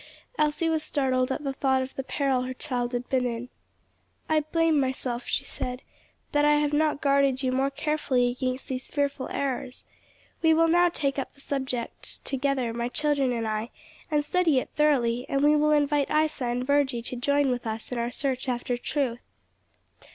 Elsie was startled at the thought of the peril her child had been in. "I blame myself," she said, "that I have not guarded you more carefully against these fearful errors. We will now take up the subject together, my children and I, and study it thoroughly; and we will invite Isa and Virgy to join with us in our search after truth."